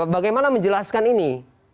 bagaimana menjelaskan ini